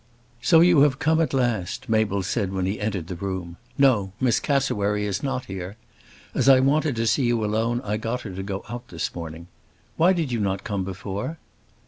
"So you have come at last," Mabel said when he entered the room. "No; Miss Cassewary is not here. As I wanted to see you alone I got her to go out this morning. Why did you not come before?"